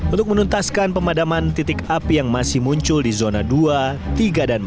untuk menuntaskan pemadaman titik api yang masih muncul di zona dua tiga dan empat